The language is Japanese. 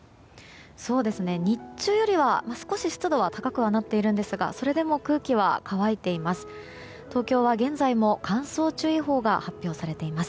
そうですね、日中よりは少し湿度は高くなっていますがそれでも空気は乾いています。